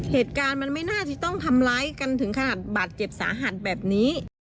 เหตุการณ์มันไม่น่าจะต้องทำร้ายกันถึงขนาดบาดเจ็บสาหัสแบบนี้